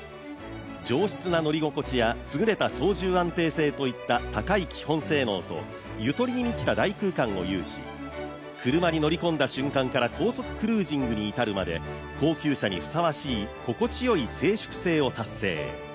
上質な乗り心地やすぐれた操縦安定性といった高い基本性能とゆとりに満ちた大空間を有し車に乗り込んだ瞬間から高速クルージングに至るまで、高級車にふさわしい心地よい静粛性を達成。